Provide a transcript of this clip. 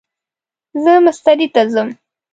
زه مستری ته ځم